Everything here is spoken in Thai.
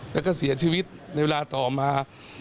แล้วก็เสียชีวิตในเวลาต่อมา